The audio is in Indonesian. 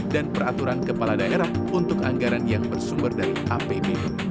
dan peraturan kepala daerah untuk anggaran yang bersumber dari apbn